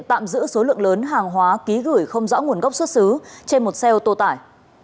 tạm giữ số lượng lớn hàng hóa ký gửi không rõ nguồn gốc xuất xứ trên một xe ô tô tải